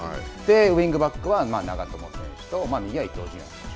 ウイングバックは、長友選手と、右は伊東純也選手。